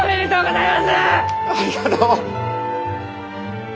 ありがとう！